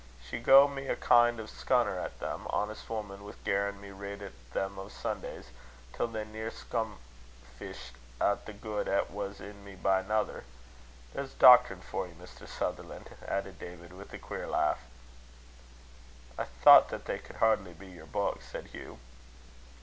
She gae me a kin' o' a scunner at them, honest woman, wi' garrin' me read at them o' Sundays, till they near scomfisht a' the guid 'at was in me by nater. There's doctrine for ye, Mr. Sutherlan'!" added David, with a queer laugh. "I thought they could hardly be your books," said Hugh.